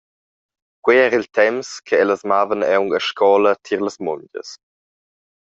Quei era il temps che ellas mavan aunc a scola tier las mungias.